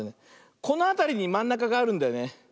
このあたりにまんなかがあるんだよね。